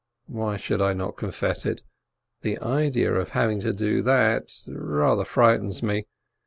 Why should I not confess it? The idea of having to do that rather frightens me.